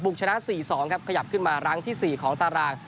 กชนะ๔๒ครับขยับขึ้นมารั้งที่๔ของตาราง